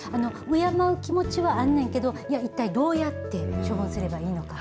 敬う気持ちはあんねんけど、いや、いったいどうやって処分すればいいのか。